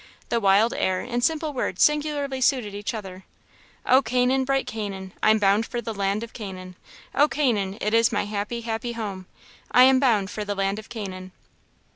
The wild air and simple words singularly suited each other: "O Canaan, bright Canaan, I'm bound for the land of Canaan, O Canaan! It is my happy, happy home! I am bound for the land of Canaan."